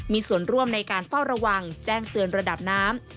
มีส่วนร่วมในการเฝ้าระวังแจ้งเตือนระดับน้ำ